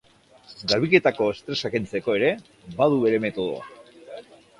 Garbiketako estresa kentzeko ere, badu bere metodoa.